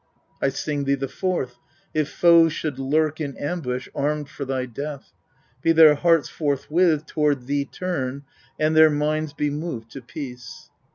I sing thee the fourth : if foes should lurk in ambush, armed for thy death, be their hearts forthwith toward thee turned and their minds be moved to peace.